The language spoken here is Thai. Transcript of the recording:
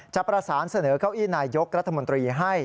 จะประสานเสนอเก้าอี้นายยกรัฐมนตรีให้